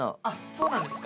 そうなんです。